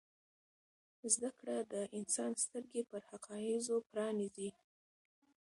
زده کړه د انسان سترګې پر حقایضو پرانیزي.